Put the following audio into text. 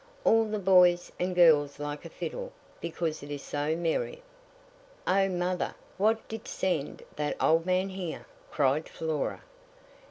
All the boys and girls like a fiddle, because it is so merry." "O mother! what did send that old man here?" cried Flora.